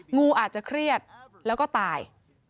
งูอาจจะเครียดแล้วก็ตาย